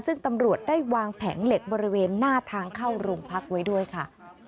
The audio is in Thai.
ซึ่งตำรวจได้วางแผงเหล็กบริเวณหน้าทางเข้าโรงพักไว้ด้วยค่ะ